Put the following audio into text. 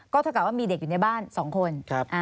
ก็เท่ากับว่ามีเด็กอยู่ในบ้าน๒คน